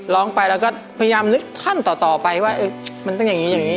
ร้องไปแล้วก็พยายามนึกท่านต่อไปว่ามันต้องอย่างนี้อย่างนี้